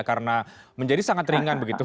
karena menjadi sangat ringan begitu